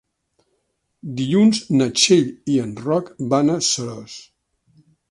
Dilluns na Txell i en Roc van a Seròs.